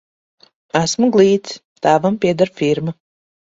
Esmu glīts, tēvam pieder firma.